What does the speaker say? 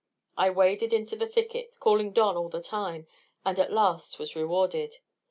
I waded into the thicket, calling Don all the time, and at last was rewarded.